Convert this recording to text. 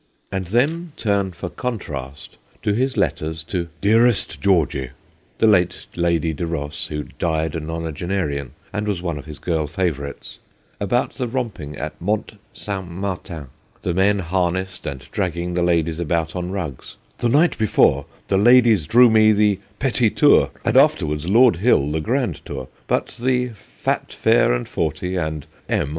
And then turn for contrast to his letters to ' Dearest Georgy ' the late Lady de Ros, who died a nonagenarian, and was one of his girl favourites about the romping at Mont St. Martin, the men harnessed and dragging the ladies about on rugs :' The night before, the ladies drew me the petty tour, and afterwards Lord Hill the grand tour, but the "fat, fair, and forty" and M.